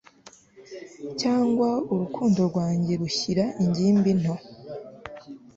Cyangwa urukundo rwanjye rushyira ingimbi nto